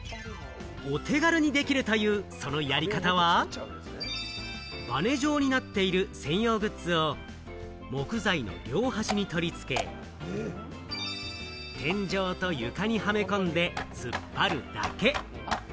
お手軽にできるという、そのやり方は、バネ状になっている専用グッズを木材の両端に取り付け、天井と床にはめ込んでつっぱるだけ。